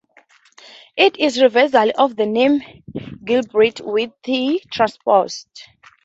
It is a reversal of the name "Gilbreth", with 'th' transposed.